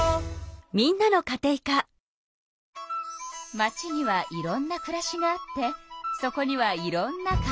街にはいろんなくらしがあってそこにはいろんなカテイカが。